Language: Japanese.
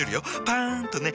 パン！とね。